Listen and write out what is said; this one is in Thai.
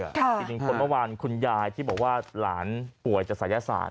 อีกหนึ่งคนเมื่อวานคุณยายที่บอกว่าหลานป่วยจากศัยศาสต